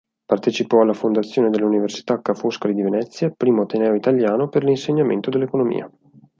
Partecipò alla fondazione dell'Università Ca' Foscari di Venezia, primo ateneo italiano per l'insegnamento dell'economia.